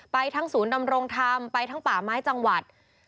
ทั้งศูนย์ดำรงธรรมไปทั้งป่าไม้จังหวัด